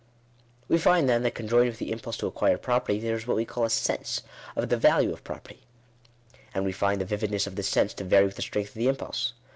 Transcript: We find, then, that conjoined with the impulse to acquire property, there is what we call a sense of the value of pro perty ; and we find the vividness of this sense to vary with the strength of the impulse.